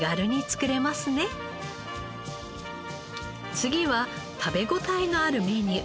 次は食べ応えのあるメニュー。